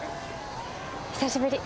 久しぶり！